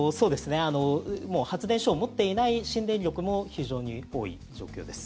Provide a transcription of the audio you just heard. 発電所を持っていない新電力も非常に多い状況です。